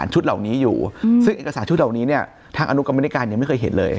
ชุดเหล่านี้อยู่ซึ่งเอกสารชุดเหล่านี้เนี่ยทางอนุกรรมนิการยังไม่เคยเห็นเลย